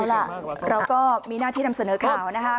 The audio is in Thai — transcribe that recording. เอาล่ะเราก็มีหน้าที่นำเสนอข่าวนะคะ